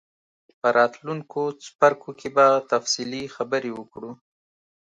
په راتلونکو څپرکو کې به تفصیلي خبرې وکړو.